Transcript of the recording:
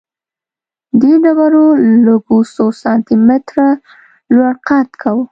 دې ډېرو لږو څو سانتي متره لوړ قد کاوه